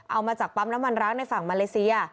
เอามาจากปั๊มน้ำมันร้างในฝั่งมาเลเซีย